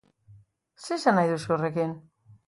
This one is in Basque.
Zer esan nahi duzu horrekin?